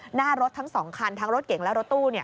หน้ารถทั้ง๒คันทั้งรถเก่งและรถตู้